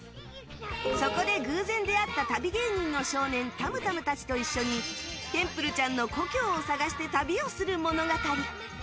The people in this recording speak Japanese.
そこで偶然出会った、旅芸人の少年タムタムたちと一緒にテンプルちゃんの故郷を探して旅をする物語。